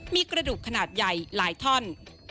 มีกระดูกขนาดใหญ่หลายท่อน